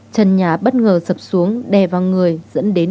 trần nhà bất ngờ sập xuống đè vào người dẫn đến